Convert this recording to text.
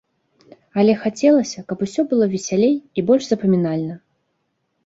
Але хацелася, каб усё было весялей і больш запамінальна.